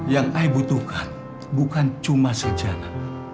yang ai butuhkan bukan cuma sejarah